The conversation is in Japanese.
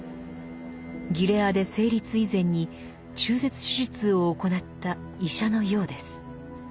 ギレアデ成立以前に中絶手術を行った医者のようです。